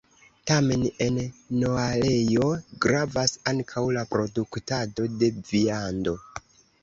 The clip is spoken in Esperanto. Tamen en Noalejo gravas ankaŭ la produktado de viando.